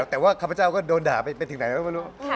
แต่ว่าข้าพเจ้าก็โดนด่าไปถึงไหนก็ไม่รู้